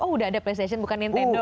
oh udah ada playstation bukan nintendo